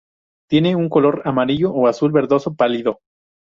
Tienen un color amarillo o azul verdoso pálido.